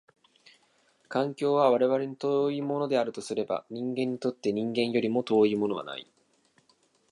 環境は我々に遠いものであるとすれば、人間にとって人間よりも遠いものはない。